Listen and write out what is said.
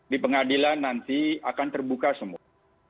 di pengadilan nanti akan terbuka semua